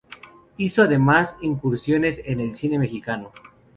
Hizo además incursiones en el cine mexicano.